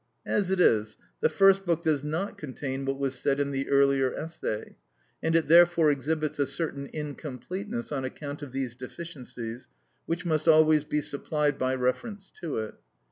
As it is, the first book does not contain what was said in the earlier essay, and it therefore exhibits a certain incompleteness on account of these deficiencies, which must always be supplied by reference to it.